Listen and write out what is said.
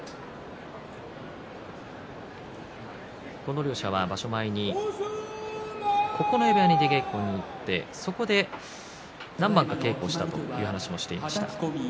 この両者は場所前に九重部屋に出稽古に行ってそこで何番か稽古をしたという話をしていました。